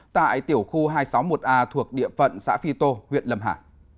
tại tiểu khu hai trăm sáu mươi một a thuộc địa phận xã phi tô huyện lâm hà